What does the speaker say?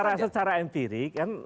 karena secara empirik